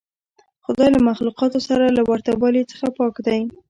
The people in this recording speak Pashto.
خدای له مخلوقاتو سره له ورته والي څخه پاک دی.